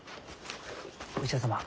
お医者様